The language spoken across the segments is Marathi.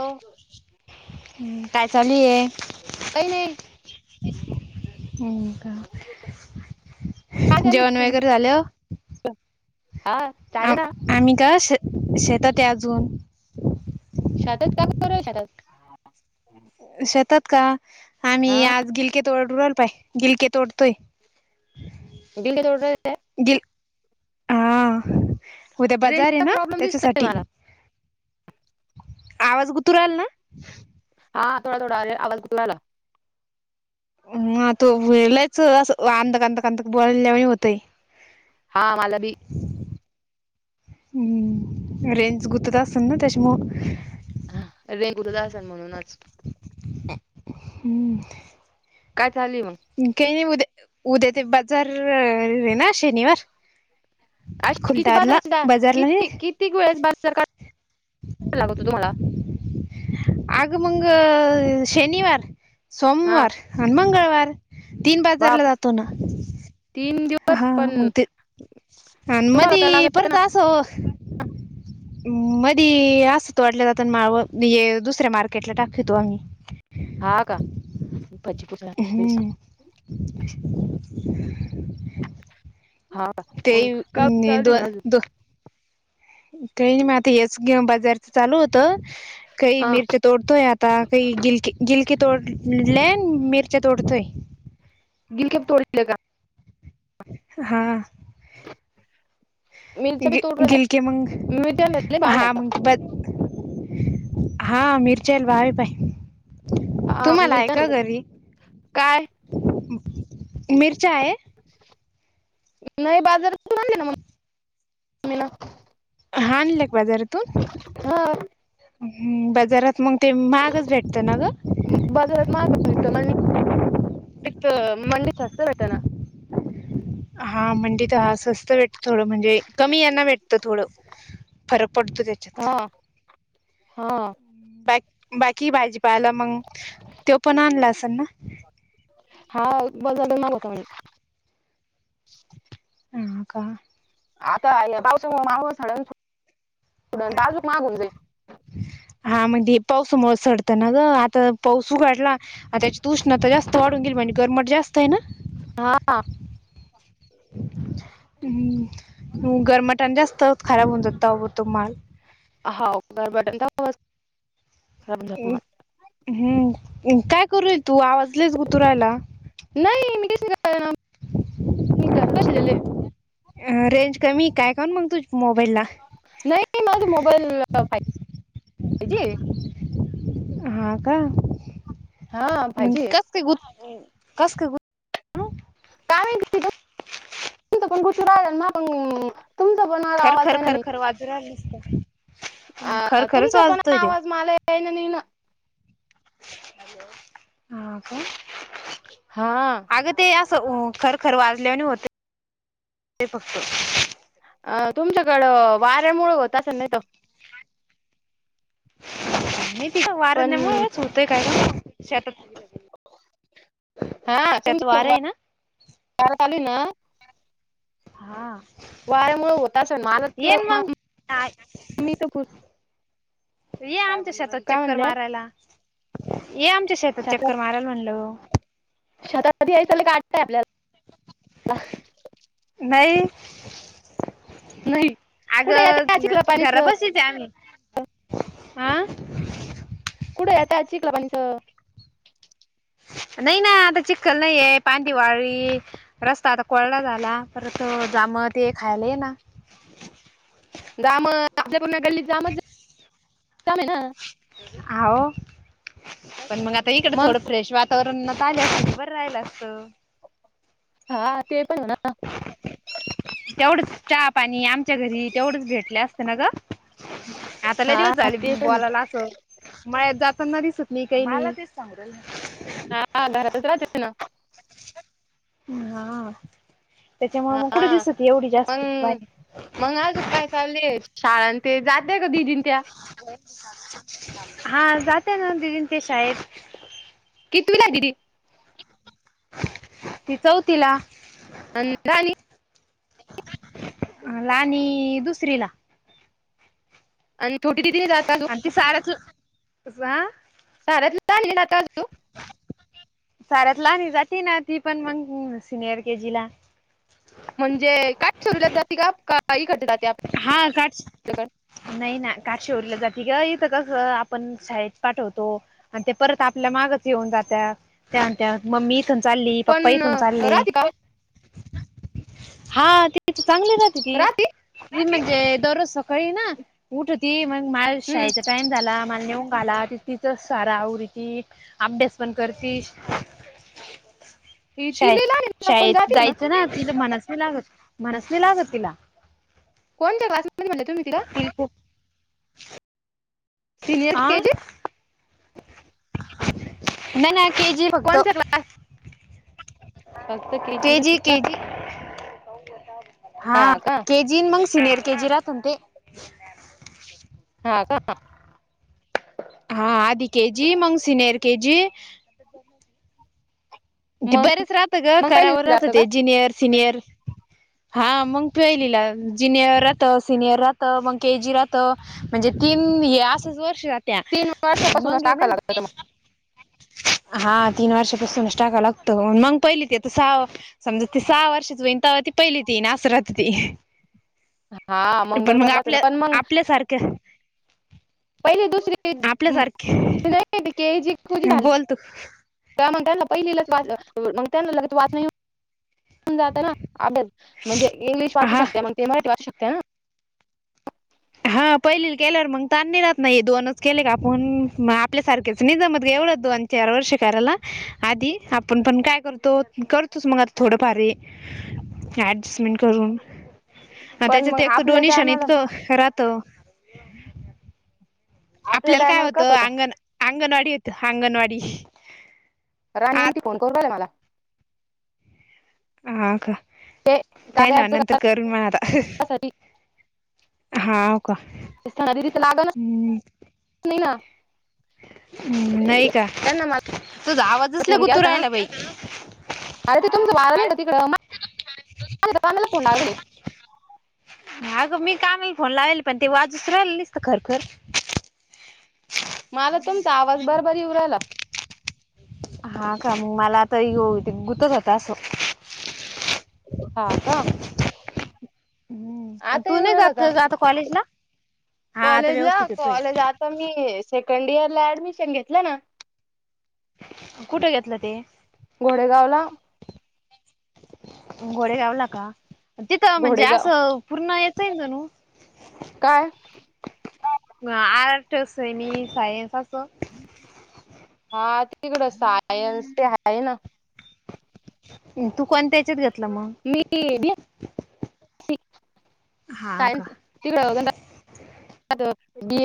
हो हम्म, काय चालू आहे काही नाही. हम का काय चालू जेवण तुमच वगैरे झालं? हा आ चालेल ना आम्ही का श शेतात अजून सातात काप रय सातात शतात का हा आम्ही आज गिलक तोडल पाय गिलके तोडतोय गिल्ोड आहे गिल् हा उद्या बाजार आहे रेंजचा ना प्रॉब्लेम दिसतोय त्याच्यासाठी मला आवाज उुतर आल ना हा थोडा थोडा आरे आवाज कुतला आला ह तो वेलायच अस अंध कांध कांधक बोलल्या होतय हा मला बी हम् रेंज गुतत असतल ना त्याच्यामुळ हा रेंज गुतत आसन म्हणूनच. हम्म काय चालू ये मंग? काय नाय उद्या उद्या ते बाजार रे ना शनिवार. अशी किती खुलताबादला बाजाराची जा बाजारला किती नाही कितीक वेळेस बाजार काढ लागतो तुम्हाला अग मंग शनिवार, हा सोमवार आणि मंगळवार. तीन बाप बाजारला जातो ना. तीन दिवस हा पण मंग ते आणि तुम्हाला काय मधी लागत परत अस मधी असतो तोडल्या जात ना माव हे दुसऱ्या मार्केटला टाकीतो आम्ही हा का भजी प [unintelligible] बेसन हम्म [inaudible] हाव का मंग का ते चालू दो ये मं अजून दो काही नाही म आता हेचे गेम बाजारच चालू होत काही हा मिरच्या तोडतोय आता काही गिलकी गिलकी तोडलेनं मिरची तोडतोय. गिलक्या बी तोडले का? हा. मिरच्या बी गिल तोडलेल्या गिलकि मंग मिरच्या लय भाव आहे हा आता मग ते ब हा मिरच्या ले भाव ये पाय हा तुम्हाला हाय मिरच्या का घरी काय मिरच्या आहे. नाही बाजारातून आणल्या ना मंग मिन हाणल्या का बाजारातून हो हम्म बजारात मंग ते महागच भेटतं ना ग बाजारात महाग भेटत म मंडीत स्वस्त भेट ना हा मंडीत हा स्वस्त भेटत थोडं म्हणजे कमी यांन भेटतं थोडं फरक पडतो ते हा हा बाकी बाकी भाजी पाला मंग त्यो पण आणला असनं ना? हा बाजार लय महाग होता म्हणे ह का. आता पावसामुळे महागचं होणार ना थोडा अजून महाग होऊन जाईल. हा म्हडे पावसामुळ सडतं ना ग आता पाऊस उघाडला आता त्याच्यात उष्णता जास्त वाढून गेली म्हणजे गरमट जास्त आहे ना हा. हम्म गरमाटाने जास्त खराब होऊन जात आहो तो माल हाव गरबटानी [unintelligible] हं हम्म काय करूय तू आवाज लयच गुतु रायला. नाही मी काहीच मी घरात बसलेलेये. अ रेंज कमी काय कामुन मग तुझ मोबाईल ला नाही मला ते मोबाईल [unintelligible] पाहिजे. हा का हा फाय मंग जी कस काय गुत कस काय गुत काय माहिती तिद [unintelligible] तुमच पण गुंतू राहिलाय मा पण मला खर आवाज खरं आहे ना खर नाही खरं वाजूून राहीलय नुसतं. आ तुमचा पण आवाज मला यय न नी न हा काय हा. अगं ते असं खर खर वाजल्याने होते [inaudible] फक्त अ तुमच्याकडं वाऱ्यामुळ होत असं नाही तो नाही तिथं वार पण नाही मच होतय काय का शेतात. हा शेतात वार तुम्चत आहे ना आली ना [inaudible] हा वाऱ्यामुळ होत असनं येन मा मग [unintelligible] मीइथं खुर ये आमच्या शतात काय चक्कर म्हणल्या मारायला. ये आमच्या शेतात चक्कर मारायला म्हणल. शतात कधी यंलसाल काटतय आपल्याला नाई. नाही आग कुठे येत्या चिखला पाणीच घरा पाशीच हाय आ कुठे येताय चिखल पाण्याचं. नाही नाही आता चिखल नाहीय पांदिवाळली. रस्ता आता कोळला झाला परत जामळ ते खायला येना. गम आपल्याकडून गल्ली जामचम आहे ना [inaudible] हो पण मग आता इकड मग थोडं फ्रेश वातावरण ना. तल्यासबर राहिला असतं [inaudible] हा ते पण ना. तेवढच चहा पाणी आमच्या घरी तेवढच भेटले असते ना ग. आताला हा दिवस झाली ते पण आहे. बोलायला असं मळ्यात जाताना दिसत नाही काय हा घरातच राहते त ना [inaudible] हा त्याच्यामुळ मग कुठे हा दिसत एवढी जास्त ती बाई. मग मग आजू काय चाललेय शाळां ते जातेय ग दिदीन त्या. हा जाते नं दिदीन त्या शाळेत. कितीवी ला दिदी. ति चौतीला. अण लहानी. लाहानी दुसरी ला. आणि छोटीदीदी आणि ती शाळतलं जा. साार्यात ले ना आता अजू [inaudible] साऱ्यात लणी जाते ना ती पण मग सिनियर के जी ला. म्हणजे काय सरूल्यात जाते का काई करडते जाती [inaudible] हा काट नाही ना काठशेहरीला जाते का इथं कसं आपण शाळेत पाठवतो. आणि ते परत आपल्या मागच येऊन जातात त्या त्या मम्मीस. थ चालली पण पप्पा इथून चालले राधिका हा ते चांगले [inaudible] राहती. [inaudible] मग ज दवरज सकाळी ना उटती मग माल शयत हम्म टाईम झाला माला नेऊन घाला त तिच सारा उरीती. अभ्यास पण करतीस. शाळ तिला लहान ना पण शाळेत जाते जायचं ना तिला मनसनी लागत मनसनी लागत तिला. कोणत क्लासमध्ये म्हले तम्ही तिला. ह [inaudible] सिनियर आ केजी नाय नाय के जी कोणसा क्लास. फक्त ला केजी का केजी हा के जी मग सीनर के जी ला तुंते. हा का. हा आद के जी मंगसिन यर के जी. ते मग बरेच राहतं ग मग पहिले करावर राहत जातं ते का ज्युनियर सिनियर. हा मग पिलीला ज्यनियर राहत सीनियर राहत मग के जी राहत. म्हणजे तीन हे असच वर्ष जात्या तीन वर्षापासूनच मग ये टाका ना लागत मग हा तीन वर्षापासूनच टाका लागतो मग पहिली ते सहा समजा ती सहा वर्षच होईनतावा ती पहिली ती नासरथ ती हा पण मग बरोबर राहतं ना आपल्या पण मग आपल्या सारख्या पहिले दुसरी त नाही जी खुझी झाली बोल तू काय म्हणताय ना पहिलीच वागताय ना लग वाच नाही जात ना आप म्हणजे इंग्लिश वाचू हा शकते मग ते मराठी वाचू शकते ना हा पहिली केल्यावर मग तनी रात नाही दोनच केले का आपण मग आपल्यासारखेच नाही जमत ग एवढंच दोन तेरा वर्ष करायला आधी आपण पण काय करतो करतोच मग आता थोडं फार हे डजस्मेंट करून पण त्याच्या मग एक तर डोनेशन इतकं राहतं हम् आपल्याला काय होतं अंगण अंगणवाडी होते अंगणवाडी राणी आत यांनीी फोन करूला आहे मला हा का ते त्या कार्या ना ॲपच नंतर करून मणा आता साठी हा का सना दिदीच लागणच हम् नाही ना हम् नाही का त्यांना मला तच आवाजचला फोन केलता ना कुतूराहायला बाई अरे ते तुम वाार नि कती कर ला फन लागले हगं मी कामाला फोन लावले पण ते वाजूच राहिलीसत खरखर मला तुमचा आवाज बरबरऊ राहिला हा का मग मला आता ग गुतच होत असं ह हम् तू नाही जातता कॉलेजला हा आता कॉलेजला व्यवस्थित येतोय कॉलेज आता मी सेकंड इयर ला ऍडमिशन घेतलं ना कुठे घेतलं ते घोडेगावला घोडे गावला का तिथं म्हणजे घोडेगाव असं पुूर्ण येत आहेल त नू काय आर्टस म सायन्स अस असं हा तिकडं सायन्स ते आहे ना तू कोणत्याच्यात घेतलं मग मी बी हा का सायन्स तिकडे बी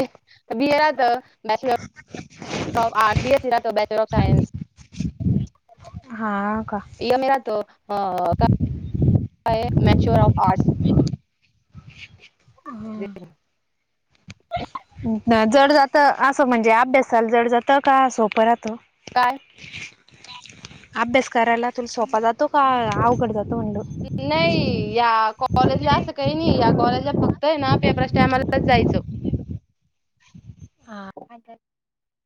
बिएरात bachelor B bachelor of science हा का य मेरा तो अ मॅचुअर ऑफ आर्ट हा जड जात असं म्हणजे अभ्यासाला जड जात का असोप राहतो काय अभ्यासकारला तुल सोफ जातो का आवकड जातो उंडू नाही या कॉलेजला असं काही नाही या कॉलेजला फक्त आहे ना पेपरस टायमालाच जायचं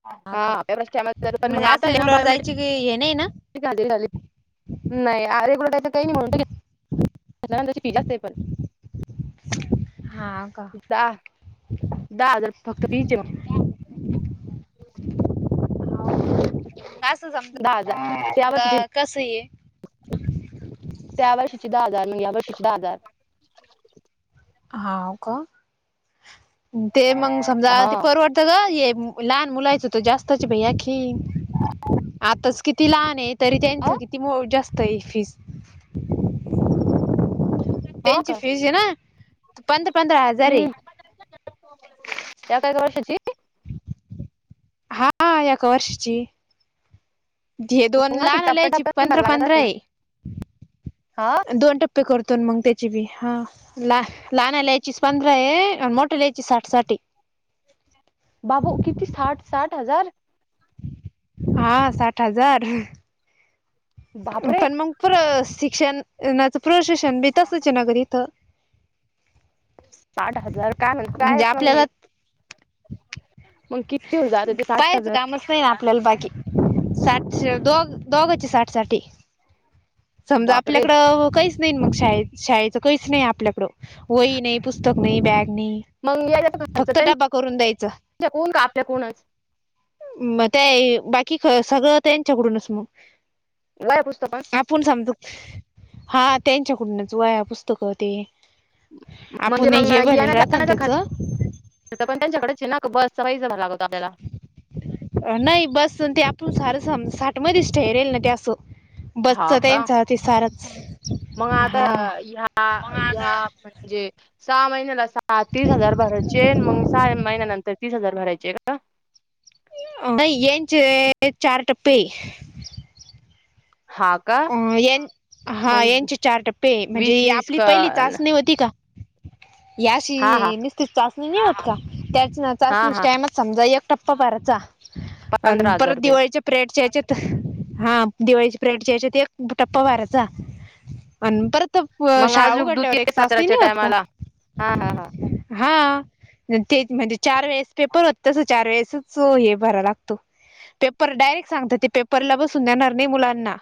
हा व्यवस्थमध्ये पण मग म्हणजे आता असं आहे ना लेवलवर जायची की हे नाही ना बायोमेट्रिक ले नाही रेग्युलर टायच काही नाही म्हणत तरची फीट असते पण हा का दहा दहा हजार फक्क फच [unintelligible] मंग असं दहा समजा कस ये ह त्यावर शिचद्दा आार न यावर शिधदा आजार हा का ते मग समजा ते हा परवड लहान मुलाच हो जास्त भ अखीन आताच किती लहान आहे तरी त्यांचं किती मो जास्त आहे फीस हा त्यांची का फीज आहे ना पंधरा पंधरा हजार हम्म आहे त्या काय का वर्षाची हा एका वर्षची ते दोन मग अशी लहानलायची टप्प्याटप्प्याने पंधरा भरायला लागत पंधरा असेल ना आहे हा दोन ते करतो मग त्याची बी हा ला लाहानला येचीस पंद्रे मोठेल येचीच साठ साठी बाबू किती साठ साठ हजार हा साठ हजार बापरे पण मग प्र शिक्षणाच प्रशषण बी तसच नगर इथं साठ हजार का म्ह काय म्हणजे किती होऊन जात ते साठ पाहाचं हजार कामच ना आपल्याला बाकी साठ दो दोघाची साठ साठी समजा बापरे आपल्याकडं काहीच नाही मग शाेत शाळेचं काहीच नाही आपल्याकडं वही नाही पुस्तक नाही बॅग नाही मग यायचा खर्च फक्त त्यांच्या डबा करून द्यायचा कोण का आपल्या कोणच मग ते बाकी सगळं त्याच्याकडूनच मग लय पुस्तक आपण समजू हा त्यांच्याकुडूनच वया पुस्तक ते म्हणजे आपण मग हे भरल राहत ना त्याचं तर पण त्यांच्याकडेच ना बस सईच झाला लागतता आपल्याला नाही बस ते आपण सारं सम साठमध्येध्येच ठेरेल ना ते असं हा बसच का त्यांचा ते सारच मग आता हा ह मग ह आता म्हणजे सहा महिन्याला सहा तीस हजार भर चेन मग साहा महिन्यानंतर तीस हजार भरायचे आहे का अ येनच चार टपे हा का अ हा म्हणजे यांचे चार टप्पे वीस म्हणजे वीस आपली पहिली का चाचणी होती का हा हा याशी नस्त चाचणी नाही होत का त्याच ना हा चाचणी हा टायमात समजा एक टप्पा भरचा आणि पंधरा परत हजार रुपये दिवाळीच्या प्रेडच्या याच्यात हा दिवाळीचेप्रेडच्या याच्यात ते बुटा पवाराचा आणि परत मग शा अजून उघडल्यावर एक द्वितीय तच सत्राच्या नाही होत का टायमाला हा हा हा हा तेच म्हणजे चार वेळेस पेपर होत तसं चार वेळेसच हे भरा लागतो ते डायरेक्ट सांगतात पेपरला बसून देणार नाही मुलांना.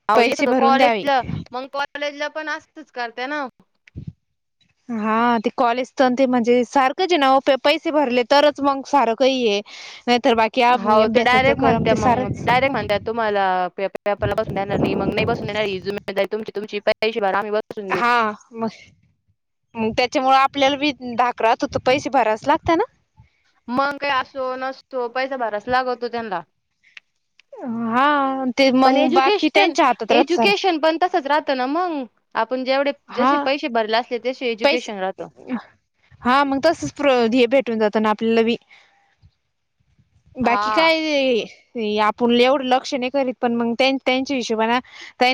अह येत पैसे होत भरून द्यावे. कॉलेजला मग कॉलेजला पण असतच करते ना [inaudible] हा ते कॉलेज आणि ते सारखंच आहे ना पैसे भरले तरच सारं काही आहे. नाही तर बाकी हो ते अभ्यासाचं डायरेक्ट करम ते सारच म्हणतात. तुम्हाला पेपरला बसून देणार नाही ही जबाबदारी तुमची नाहीतर पैसे भरा देऊ त्याच्यामुळे आपल्याला बी धाक राहतो होत पैसे भरायला लागत ना पैसाअसो नसतो पैसा भरावाच लागतो. त्यांना हा ते पण मग बाकी एज्युकेशन त्यांच्या हातात राहत सार एज्युकेशन पण तसच राहत आपण जेवढ हा पैसे भरले असले तसे पैसे एज्युकेशन राहत तसच भेटून जात ना आपल्याला बी बाकी हा काय आपण एवढं लक्ष नाही करीत पण मग त्यां त्यांच्या हिशोबाने